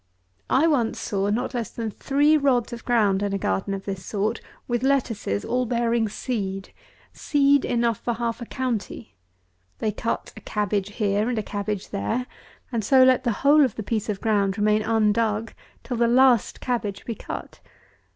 I once saw not less than three rods of ground, in a garden of this sort, with lettuces all bearing seed. Seed enough for half a county. They cut a cabbage here and a cabbage there, and so let the whole of the piece of ground remain undug, till the last cabbage be cut.